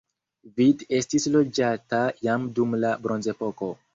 Vid estis loĝata jam dum la bronzepoko.